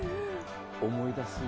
思い出す。